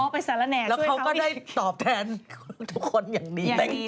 อ๋อไปสารแหน่ช่วยเขาดีแล้วเขาก็ได้ตอบแทนทุกคนอย่างนี้